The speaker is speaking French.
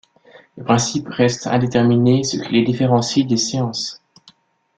Les principes restent indéterminés, ce qui les différencient des sciences.